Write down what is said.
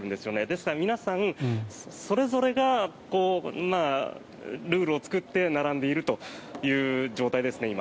ですから、皆さんそれぞれがルールを作って並んでいるという状態ですね。